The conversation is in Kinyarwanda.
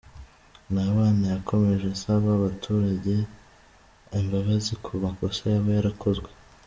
Ntabana yakomeje asaba abaturage imbabazi ku makosa yaba yarakozwe.